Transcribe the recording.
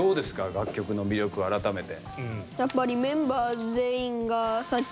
楽曲の魅力改めて。